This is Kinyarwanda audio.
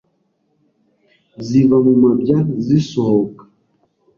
ziva mu mabya zisohoka